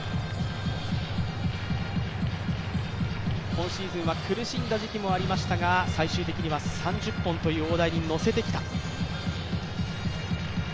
今シーズンは苦しんだ時期もありましたが最終的には３０本という大台に乗せてきた。